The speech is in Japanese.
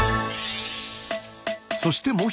そして